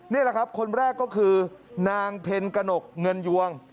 นี่แหละครับคนแรกก็คือนางเพ็ญกระหนกเงินยวง